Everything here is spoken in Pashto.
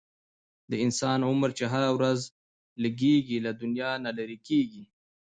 د انسان عمر چې هره ورځ لږیږي، له دنیا نه لیري کیږي